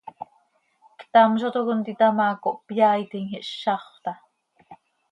Ctam zo toc contita ma, cohpyaaitim, ihszaxö taa.